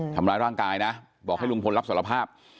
ทำร้ายร่างกายนะบอกให้ลุงพลรับสารภาพ